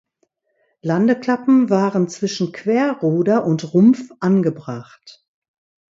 Landeklappen waren zwischen Querruder und Rumpf angebracht.